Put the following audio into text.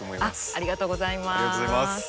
ありがとうございます。